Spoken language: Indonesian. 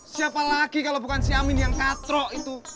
siapa lagi kalau bukan si amin yang katrok itu